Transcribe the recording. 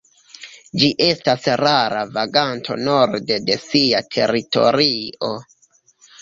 Ĝi estas rara vaganto norde de sia teritorio.